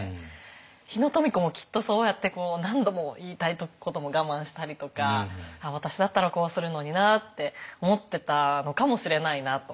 日野富子もきっとそうやって何度も言いたいことも我慢したりとか私だったらこうするのになって思ってたのかもしれないなと。